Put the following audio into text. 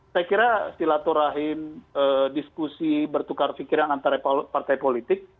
saya kira stilatur rahim diskusi bertukar fikiran antara partai politik